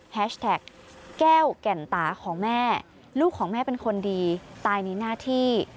แท็กแก้วแก่นตาของแม่ลูกของแม่เป็นคนดีตายในหน้าที่